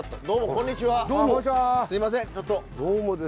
どうも。